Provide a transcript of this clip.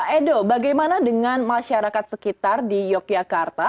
edo bagaimana dengan masyarakat sekitar di yogyakarta